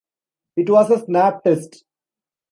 It was a snap test.